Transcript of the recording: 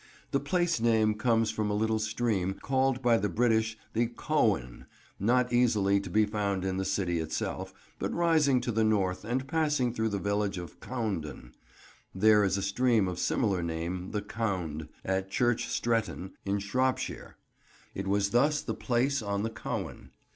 The place name comes from a little stream called by the British the Couen, not easily to be found in the city itself, but rising to the north and passing through the village of Coundon. (There is a stream of similar name, the "Cound," at Church Stretton, in Shropshire.) It was thus the "place on the Couen."